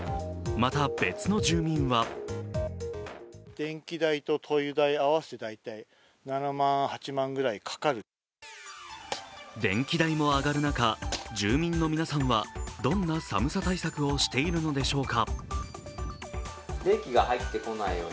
また別の住民は電気代も上がる中、住民の皆さんはどんな寒さ対策をしているのでしょうか。